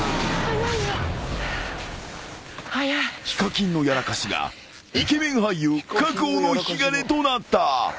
［ＨＩＫＡＫＩＮのやらかしがイケメン俳優確保の引き金となった］